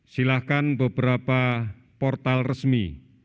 silahkan beberapa portal resmi